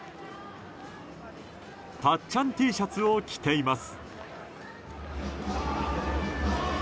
たっちゃんＴシャツを着ています。